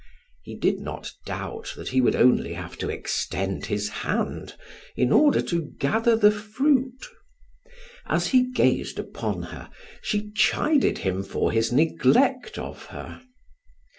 He did not doubt that he would only have to extend his hand in order to gather the fruit. As he gazed upon her she chided him for his neglect of her.